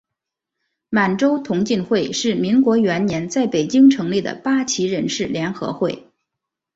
满族同进会是民国元年在北京成立的八旗人士联合会。